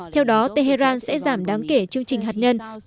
theo đó tehran sẽ giảm đáng kể chương trình hạt nhân